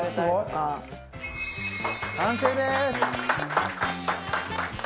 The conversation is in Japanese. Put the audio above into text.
完成です！